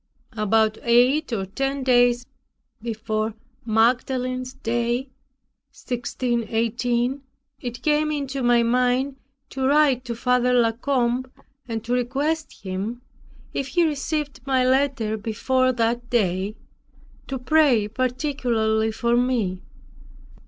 About eight or ten days before Magdalene's day, 1680, it came into my mind to write to Father La Combe, and to request him, if he received my letter before that day, to pray particularly for me.